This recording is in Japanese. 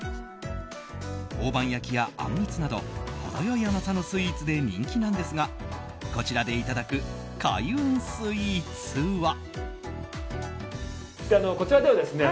大判焼きや、あんみつなど程良い甘さのスイーツで人気なんですが、こちらでいただく開運スイーツは。